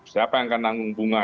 siapa yang akan nanggung bunga